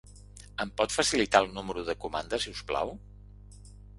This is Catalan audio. Em pot facil·litar el número de comanda, si us plau?